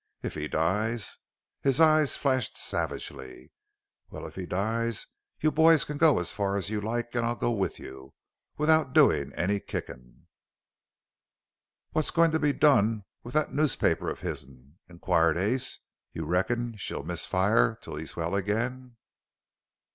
If he dies " His eyes flashed savagely. "Well, if he dies you boys can go as far as you like an' I'll go with you without doin' any kickin'." "What's goin' to be done with that noospaper of his'n?" inquired Ace. "You reckon she'll miss fire till he's well again?"